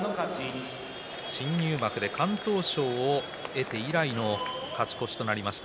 新入幕で敢闘賞を得て以来の勝ち越しとなりました。